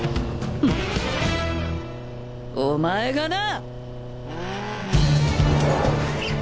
お前がな！